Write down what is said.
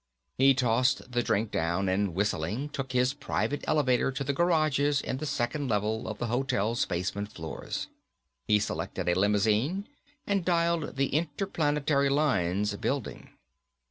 He tossed the drink down and whistling, took his private elevator to the garages in the second level of the hotel's basement floors. He selected a limousine and dialed the Interplanetary Lines building.